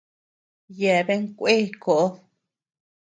Yeaben kué koʼod.